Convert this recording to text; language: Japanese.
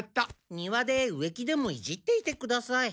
庭で植木でもいじっていてください。